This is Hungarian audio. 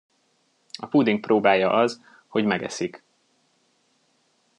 A puding próbája az, hogy megeszik.